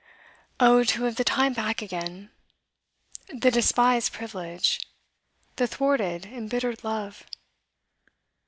Oh, to have the time back again the despised privilege the thwarted embittered love!